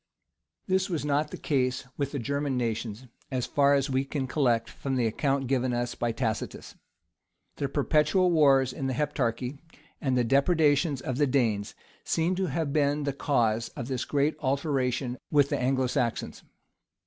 This was not the case with the German nations, as far as we can collect from the account given us by Tacitus. The perpetual wars in the Heptarchy, and the depredations of the Danes, seem to have been the cause of this great alteration with the Anglo Saxons.